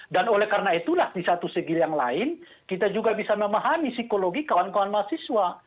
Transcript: dan oleh karena itulah di satu segi yang lain kita juga bisa memahami psikologi kawan kawan mahasiswa